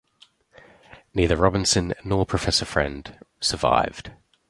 Neither Robinson nor Professor Friend survived.